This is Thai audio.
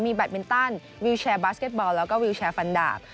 แบตมินตันวิวแชร์บาสเก็ตบอลแล้วก็วิวแชร์ฟันดาบ